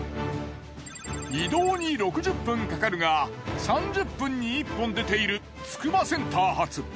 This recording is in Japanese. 移動に６０分かかるが３０分に１本出ているつくばセンター発。